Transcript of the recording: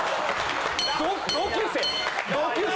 ・同級生。